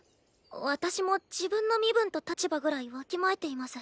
私も自分の身分と立場ぐらいわきまえています。